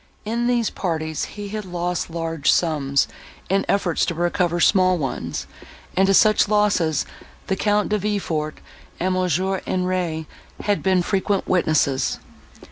In these parties he had lost large sums, in efforts to recover small ones, and to such losses the Count De Villefort and Mons. Henri had been frequent witnesses.